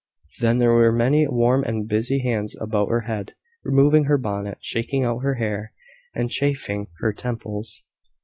Then there were many warm and busy hands about her head removing her bonnet, shaking out her hair, and chafing her temples.